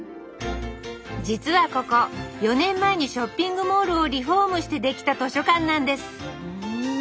実はここ４年前にショッピングモールをリフォームして出来た図書館なんです。